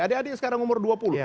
adik adik sekarang umur dua puluh